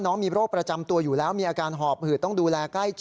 น้องมีโรคประจำตัวอยู่แล้วมีอาการหอบหอย